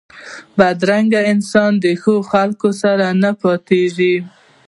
بدرنګه انسان د ښو خلکو سره نه پاتېږي